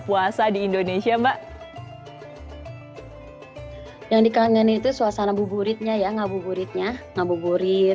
puasa di indonesia mbak yang dikangenin itu suasana buburitnya ya ngabuburitnya ngabuburit